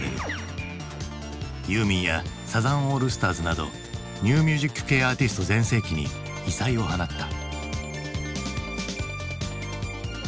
ユーミンやサザンオールスターズなどニューミュージック系アーティスト全盛期に異彩を放った。